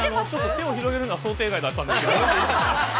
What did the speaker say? ◆手を広げるのは想定外だったんですけど。